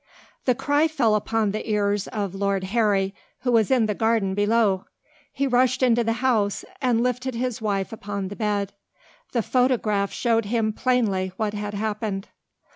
The cry fell upon the ears of Lord Harry, who was in the garden below. He rushed into the house and lifted his wife upon the bed. The photograph showed him plainly what had happened.